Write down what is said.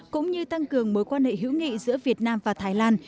cũng như tăng cường mối quan hệ hữu nghị giữa việt nam và thái lan